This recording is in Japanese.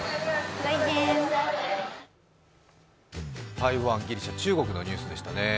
台湾、ギリシャ、中国のニュースでしたね。